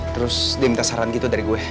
terus dia minta saran gitu dari gue